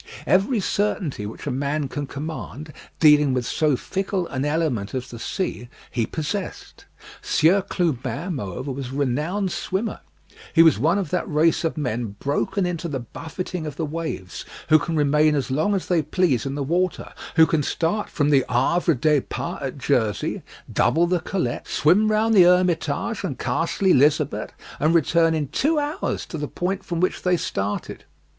Every certainty which a man can command, dealing with so fickle an element as the sea, he possessed. Sieur Clubin, moreover, was a renowned swimmer; he was one of that race of men broken into the buffeting of the waves, who can remain as long as they please in the water who can start from the Havre des Pas at Jersey, double the Colettes, swim round the Hermitage and Castle Elizabeth, and return in two hours to the point from which they started.